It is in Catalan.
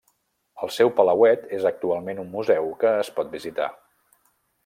El seu palauet és actualment un museu que es pot visitar.